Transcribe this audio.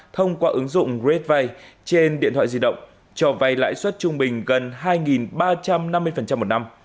thông qua ứng dụng redvay trên điện thoại di động cho vay lãi suất trung bình gần hai ba trăm năm mươi một năm